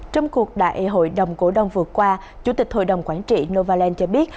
trong cuộc đại hội đồng cổ đông vừa qua chủ tịch hội đồng quản trị novaland cho biết